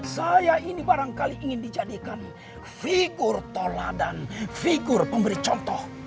saya ini barangkali ingin dijadikan figur toladan figur pemberi contoh